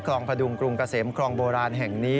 พดุงกรุงเกษมคลองโบราณแห่งนี้